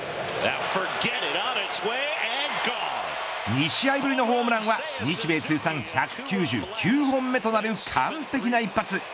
２試合ぶりのホームランは日米通算１９９本目となる完璧な一発。